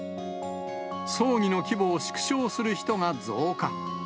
葬儀の規模を縮小する人が増加。